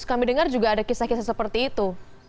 kami dengar juga ada kisah kisah seperti itu